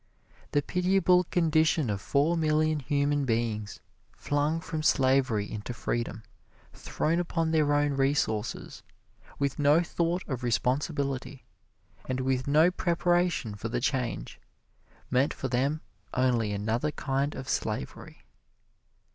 The pitiable condition of four million human beings, flung from slavery into freedom, thrown upon their own resources, with no thought of responsibility, and with no preparation for the change, meant for them only another kind of slavery.